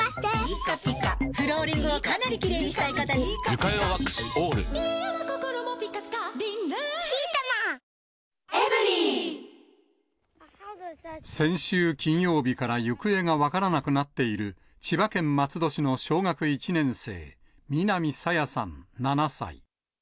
実は、先週金曜日から行方が分からなくなっている、千葉県松戸市の小学１年生、南朝芽さん７歳。